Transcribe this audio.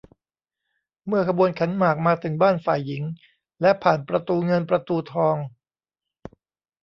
เมื่อขบวนขันหมากมาถึงบ้านฝ่ายหญิงและผ่านประตูเงินประตูทอง